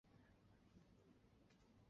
得名于捐款兴校的慈善家周荣富。